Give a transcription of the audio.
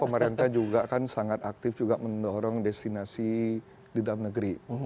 pemerintah juga kan sangat aktif juga mendorong destinasi di dalam negeri